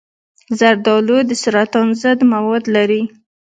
زردآلو د سرطان ضد مواد لري.